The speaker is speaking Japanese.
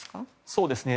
そうですね。